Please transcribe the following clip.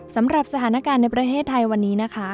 สำหรับสถานการณ์ในประเทศไทยวันนี้นะคะ